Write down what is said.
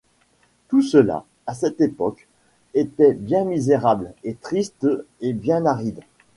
Tout cela, à cette époque, était bien misérable, et triste et bien aride.